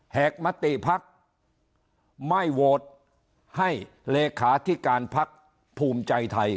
แหกมติภักดิ์ไม่โวทย์ให้เลขาที่การภักดิ์ภูมิใจไทย